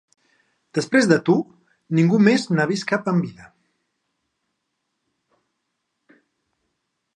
Després de tu, ningú més n'ha vist cap en vida.